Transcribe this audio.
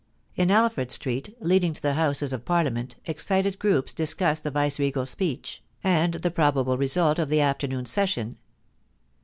In Alfred Street, leading to the Houses of Parliament, excited groups discussed the viceregal speech, and the pro 398 POLICY AND PASSION. bable result of the afternoon session.